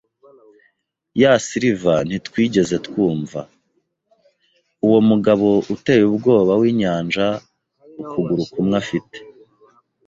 Ya silver ntitwigeze twumva. Uwo mugabo uteye ubwoba winyanja ukuguru kumwe afite